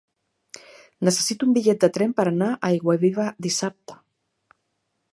Necessito un bitllet de tren per anar a Aiguaviva dissabte.